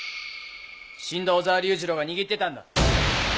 死んだ小沢竜二郎が握ってたんだ！